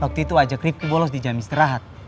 waktu itu ajak ricky bolos di jam istirahat